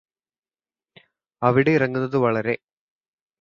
അവിടെ ഇറങ്ങുന്നത് വളരെ